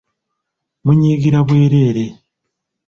Munyiigira bwereere.